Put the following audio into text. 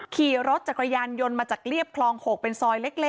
ขี่รถจักรยานยนต์มาจากเรียบคลอง๖เป็นซอยเล็ก